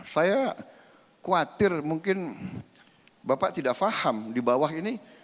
saya khawatir mungkin bapak tidak paham di bawah ini